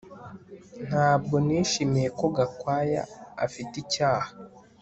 Ntabwo nishimiye ko Gakwaya afite icyaha